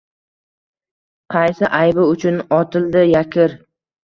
Qaysi aybi uchun otildi Yakir